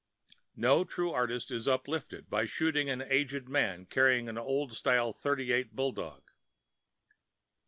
No true artist is uplifted by shooting an aged man carrying an old style .38 bulldog.